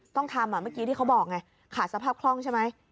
ต้องทำเมื่อกี้ที่เขาบอกไงขาดสภาพคล่องใช่ไหม